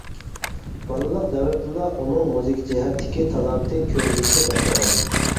بالىلىق دەۋرىدىلا ئۇنىڭ مۇزىكا جەھەتتىكى تالانتى كۆرۈلۈشكە باشلىغان.